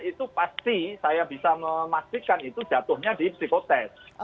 itu pasti saya bisa memastikan itu jatuhnya di psikotest